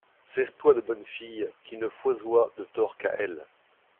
C’estoyent de bonnes filles qui ne faisoyent de tort qu’à elles.